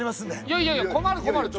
いやいやいや困る困る。